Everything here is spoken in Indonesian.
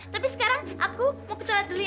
tapi sekarang aku mau ketulat dulu ya